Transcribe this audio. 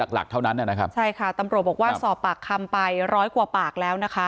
หลักเท่านั้นนะครับใช่ค่ะตำรวจบอกว่าสอบปากคำไปร้อยกว่าปากแล้วนะคะ